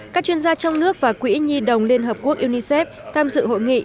các chuyên gia trong nước và quỹ nhi đồng liên hợp quốc unicef tham dự hội nghị